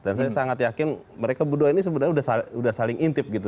dan saya sangat yakin mereka berduanya ini sebenarnya sudah saling intip gitu